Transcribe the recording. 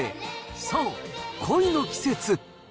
そう、恋の季節。